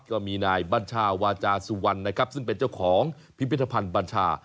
ก็มีนายบัญชาวาจาสุวรรณนะครับซึ่งเป็นเจ้าของพิพิธภัณฑ์บัญชา